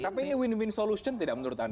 tapi ini win win solution tidak menurut anda